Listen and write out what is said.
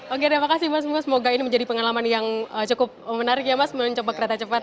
oke terima kasih mas bungo semoga ini menjadi pengalaman yang cukup menarik ya mas mencoba kereta cepat